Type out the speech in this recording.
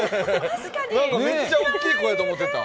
めっちゃ大きい子やと思ってた。